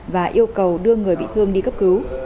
và yêu cầu đưa người bị thương đi cấp cứu